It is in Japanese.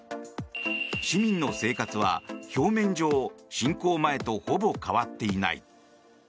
市民の生活は表面上、侵攻前とほぼ変わっていない。